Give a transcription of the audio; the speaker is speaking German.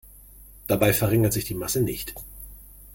Dabei verringert sich die Masse nicht.